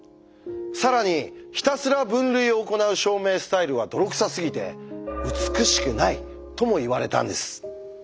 更にひたすら分類を行う証明スタイルは泥臭すぎて「美しくない」とも言われたんです。